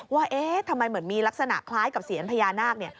ว่าเอ๊ะทำไมเหมือนมีลักษณะคล้ายกับเสียญพญานาคเนี่ย